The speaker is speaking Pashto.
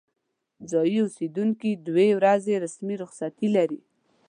ځايي اوسیدونکي دوې ورځې رسمي رخصتي لري.